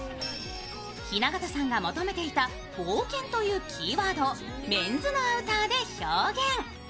雛形さんが求めていた冒険というキーワードをメンズのアウターで表現。